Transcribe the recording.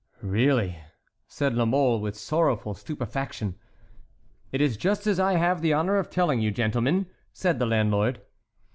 "Really!" said La Mole, with sorrowful stupefaction. "It is just as I have the honor of telling you, gentlemen," said the landlord.